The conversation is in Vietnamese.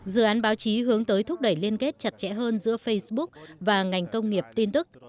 dự án báo chí hướng tới thúc đẩy liên kết chặt chẽ hơn giữa facebook và ngành công nghiệp tin tức